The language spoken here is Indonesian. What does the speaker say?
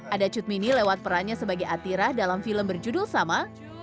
ada cutmini lewat perannya sebagai atira dalam film berjudul sama